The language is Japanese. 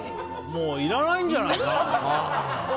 もういらないんじゃないかな？